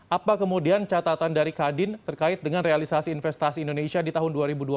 apa kemudian catatan dari kadin terkait dengan realisasi investasi indonesia di tahun dua ribu dua puluh